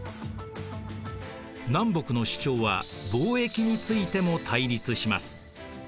南北の主張は貿易についても対立します。